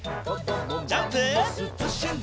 ジャンプ！